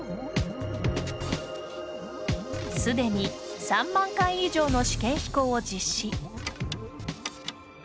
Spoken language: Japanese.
すでに、３万回以上の試験飛行を実施。